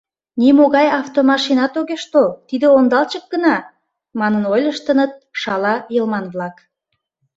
— Нимогай автомашинат огеш тол, тиде ондалчык гына, — манын ойлыштыныт шала йылман-влак...